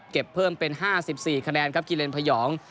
เพิ่มเป็น๕๔คะแนนครับกิเลนพยอง